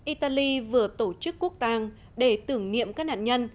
italy vừa tổ chức quốc tàng để tưởng niệm các nạn nhân